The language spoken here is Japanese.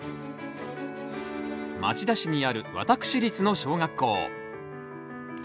町田市にある私立の小学校。